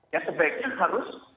ya sebaiknya harus